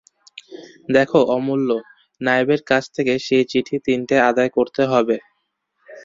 দেখো অমূল্য, নায়েবের কাছ থেকে সেই চিঠি-তিনটে আদায় করতে হবে।